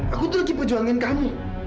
aku tuh lagi perjuangin kamu